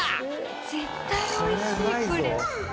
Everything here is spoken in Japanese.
絶対おいしい。